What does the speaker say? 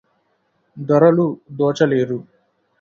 దొరలు దోచలేరు